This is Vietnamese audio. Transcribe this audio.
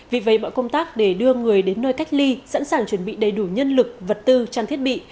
vì vậy mọi công tác để đưa người đến nơi cách ly sẵn sàng chuẩn bị đầy đủ nhân lực vật tư trang thiết bị